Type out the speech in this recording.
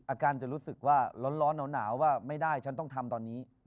อาจารย์จะรู้สึกว่าร้อนหนาวว่าไม่ได้ฉันต้องทำตอนนี้